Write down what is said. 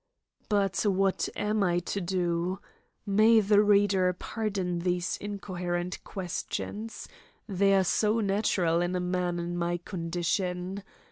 But what am I to do? May the reader pardon these incoherent questions. They are so natural in a man in my condition.